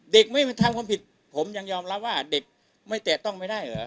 เด็กไม่ทำความผิดผมยังยอมรับว่าเด็กไม่แตะต้องไม่ได้เหรอ